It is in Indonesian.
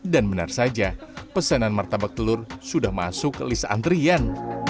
dan benar saja pesanan martabak telur sudah masuk ke list antrian